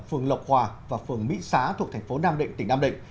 phường lộc hòa và phường mỹ xá thuộc thành phố nam định tỉnh nam định